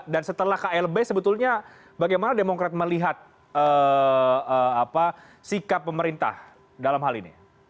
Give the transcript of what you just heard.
dan setelah klb sebetulnya bagaimana demokrat melihat sikap pemerintah dalam hal ini